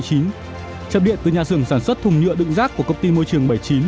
chập điện từ nhà xưởng sản xuất thùng nhựa đựng rác của công ty môi trường bảy mươi chín